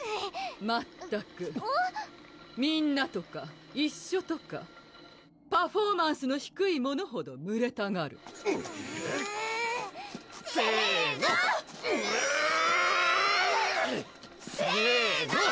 まったく「みんな」とか「一緒」とかパフォーマンスのひくい者ほどむれたがるウゥせの！ウゥ！